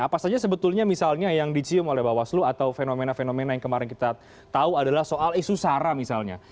apa saja sebetulnya misalnya yang dicium oleh bawaslu atau fenomena fenomena yang kemarin kita tahu adalah soal isu sara misalnya